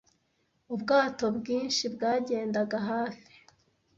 Ubwato bwinshi bwagendaga hafi